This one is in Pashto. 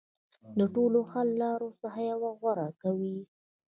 د ټولو حل لارو څخه یوه غوره کوي.